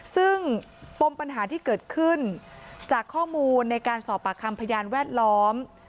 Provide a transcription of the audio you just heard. ซึ่งปมปัญหาที่เกิดขึ้นจากข้อมูลในการสอบปากคำพยานแวดล้อม